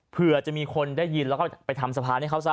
เผื่อจะมีคนได้ยินแล้วก็ไปทำสะพานให้เขาซะ